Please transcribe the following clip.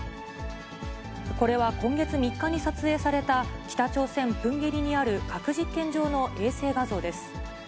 これは今月３日に撮影された、北朝鮮・プンゲリにある核実験場の衛星画像です。